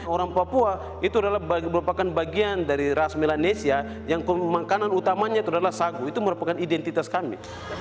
orang papua itu adalah merupakan bagian dari ras melanesia yang makanan utamanya itu adalah sagu itu merupakan identitas kami